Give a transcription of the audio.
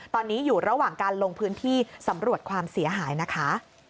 ตอนนี้อยู่ระหว่างการลงพื้นที่สำรวจความเสียหายนะคะ